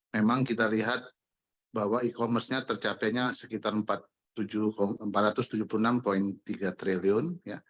memang kita lihat bahwa e commerce nya tercapainya sekitar empat ratus tujuh puluh enam tiga triliun